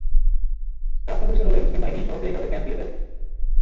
রাস্তা পরিষ্কার হলে মুসলিম বাহিনী সহজেই তাদের ক্যাম্প ঘিরে ফেলে।